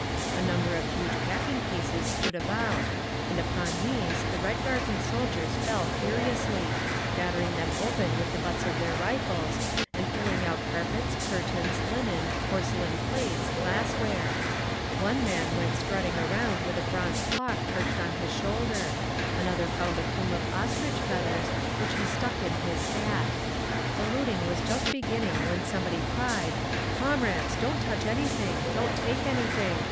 A number of huge packing cases stood about, and upon these the Red Guards and soldiers fell furiously, battering them open with the butts of their rifles, and pulling out carpets, curtains, linen, porcelain plates, glassware…. One man went strutting around with a bronze clock perched on his shoulder; another found a plume of ostrich feathers, which he stuck in his hat. The looting was just beginning when somebody cried, "Comrades! Don't touch anything! Don't take anything!